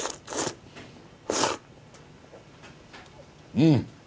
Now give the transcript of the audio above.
うん！